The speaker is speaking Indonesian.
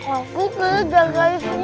aku kena jaga istrinya